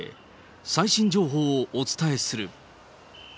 最新情報をお伝えする。